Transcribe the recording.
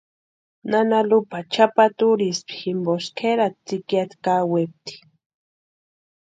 Nana Lupa chʼapata úrispti jimposï kʼerati tsïkiata kaawempti.